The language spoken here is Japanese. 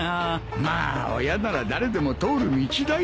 まあ親なら誰でも通る道だよ。